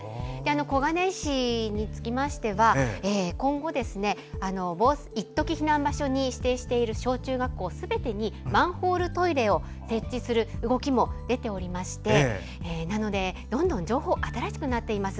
小金井市につきましては今後、いっとき避難場所に指定している小中学校すべてにマンホールトイレを設置する動きも出ておりましてどんどん情報が新しくなっております。